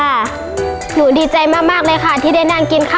ได้นั่งโต๊ะแล้วก็อี้ดีมันทำให้ผมมีความสุขกับการกินข้าวมากขึ้นเลยครับ